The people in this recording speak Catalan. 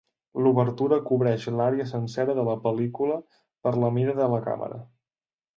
L'obertura cobreix l'àrea sencera de la pel·lícula per la mida de la càmera.